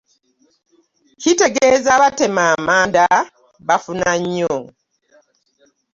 Kitegeeza abatema amanda bafuna nnyo.